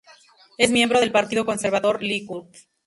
Es miembro del partido conservador Likud.